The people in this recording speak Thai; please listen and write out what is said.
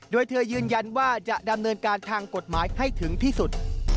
โดยเธอยืนยันว่าจะดำเนินการทางกฎหมายให้ถึงที่สุด